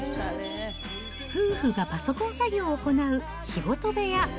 夫婦がパソコン作業を行う仕事部屋。